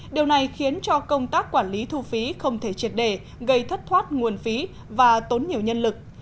điều này khiến cho công tác quản lý thu phí không thể triệt đề gây thất thoát nguồn phí và tốn nhiều nhân lực